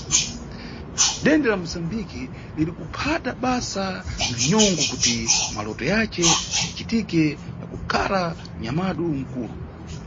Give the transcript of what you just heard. Dende la Musambiki liri kuphata basa na nyongo kuti maloto yace yacitike ya kukhala nyamadu nkulu.